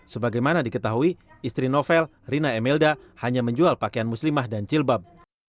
sebagai mana diketahui istri novel rina emelda hanya menjual pakaian muslimah dan cilbab